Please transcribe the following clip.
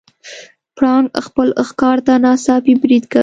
پړانګ خپل ښکار ته ناڅاپي برید کوي.